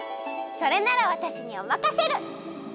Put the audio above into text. それならわたしにおまかシェル！